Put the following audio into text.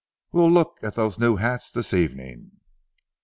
We'll look at those new hats this evening."